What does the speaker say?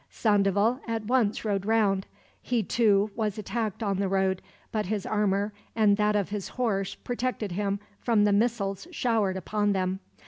Sandoval at once rode round. He, too, was attacked on the road; but his armor, and that of his horse protected him from the missiles showered upon them.